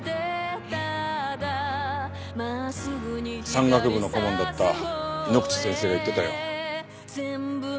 山岳部の顧問だった井ノ口先生が言ってたよ。